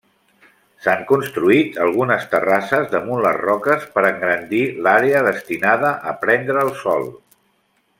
S'han construït algunes terrasses damunt les roques per engrandir l'àrea destinada a prendre el sol.